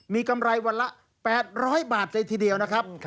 มีกำไรวันละ๘๐๐บาทเลยทีเดียวนะครับ